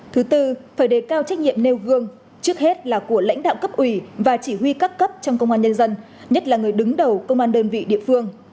thứ tư phải đề cao trách nhiệm nêu gương trước hết là của lãnh đạo cấp ủy và chỉ huy các cấp trong công an nhân dân nhất là người đứng đầu công an đơn vị địa phương